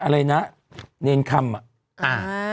ถูกต้องถูกต้องถูกต้องถูกต้อง